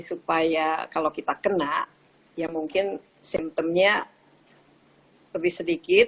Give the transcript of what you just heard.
supaya kalau kita kena ya mungkin simptomnya lebih sedikit